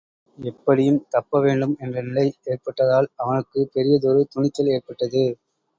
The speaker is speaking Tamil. எப்படியும் தப்பவேண்டும் என்ற நிலை ஏற்பட்டதால் அவனுக்குப் பெரியதொரு துணிச்சல் ஏற்பட்டது.